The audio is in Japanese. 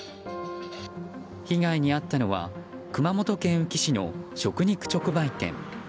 被害に遭ったのは熊本県宇城市の食肉直売店。